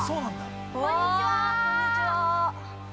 こんにちは。